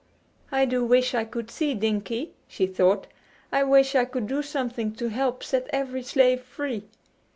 "I do wish I could see Dinkie," she thought. "I wish I could do something to help set every slave free."